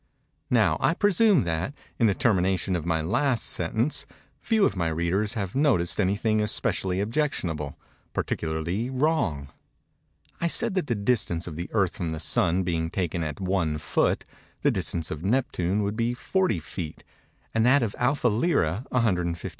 Now I presume that, in the termination of my last sentence, few of my readers have noticed anything especially objectionable—particularly wrong. I said that the distance of the Earth from the Sun being taken at one foot, the distance of Neptune would be 40 feet, and that of Alpha Lyræ, 159.